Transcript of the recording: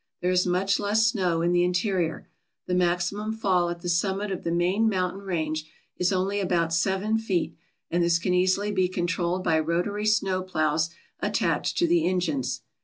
There is much less snow in the interior. The maximum fall at the summit of the main mountain range is only about seven feet, and this can easily be controlled by rotary snow ploughs at tached to the engines.